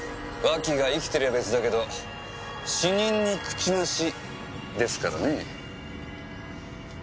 脇が生きてりゃ別だけど死人に口なしですからねぇ。